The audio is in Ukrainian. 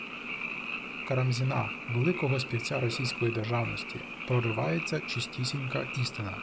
Карамзіна – «великого співця» російської державності, проривається чистісінька істина